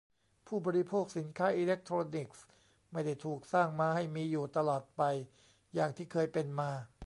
ผู้บริโภคสินค้าอิเลคโทรนิกส์ไม่ได้ถูกสร้างมาให้มีอยู่ตลอดไปอย่างที่เคยเป็นมา